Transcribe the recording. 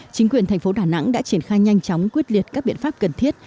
chính quyền thành phố đà nẵng đã triển khai nhanh chóng quyết liệt các biện pháp cần thiết